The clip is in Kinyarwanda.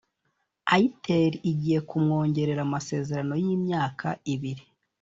airtel igiye kumwongerera amasezerano y’imyaka ibiri